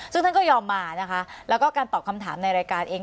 ซึ่งท่านก็ยอมมานะคะแล้วก็การตอบคำถามในรายการเอง